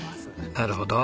なるほど。